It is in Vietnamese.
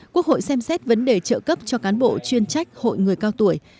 quốc hội xem xét vấn đề trợ cấp cho cán bộ chuyên trách hội người cao tuổi